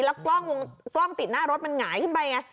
แล้วกล้องติดหน้ารถมันหงายขึ้นไปไง